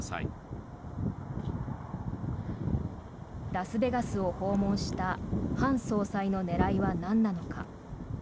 ラスベガスを訪問したハン総裁の狙いはなんなのか。